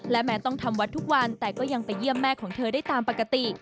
และแม้ต้องทำวัดทุกวันแต่ก็ยังไปเยี่ยมแม่ของเธอได้ตามปกติ